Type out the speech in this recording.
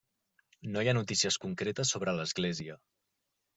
No hi ha notícies concretes sobre l'església.